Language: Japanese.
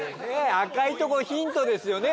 赤いとこヒントですよね